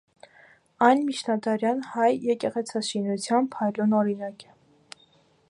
Այն միջնադարյան հայ եկեղեցաշինության փայլուն օրինակ է։